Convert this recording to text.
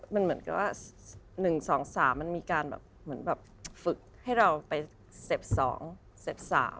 มันเหมือนกับว่า๑๒๓มันมีการฝึกให้เราไปเซ็ป๒เซ็ป๓